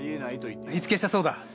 火付けしたそうだ。